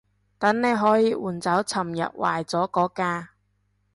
等你可以換走尋日壞咗嗰架